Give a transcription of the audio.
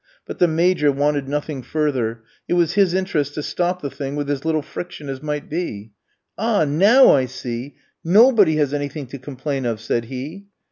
But the Major wanted nothing further; it was his interest to stop the thing with as little friction as might be. "Ah, now I see! Nobody has anything to complain of," said he.